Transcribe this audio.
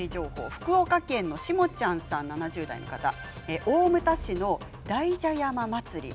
福岡県の方から、７０代大牟田市の大蛇山祭り